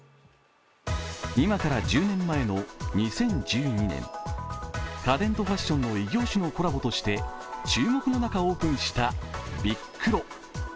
今から１０年前の２０１２年、家電とファッションの異業種のコラボとして注目の中オープンしたビックロ。